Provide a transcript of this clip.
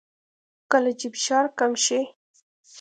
کله چې فشار کم شي